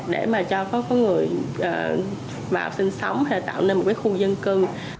để mà cho có người vào sinh sống hay tạo nên một cái khu dân cư